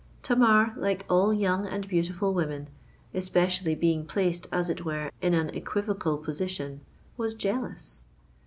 Tamar, like all young and beautiful women—especially being placed as it were in an equivocal position—was jealous.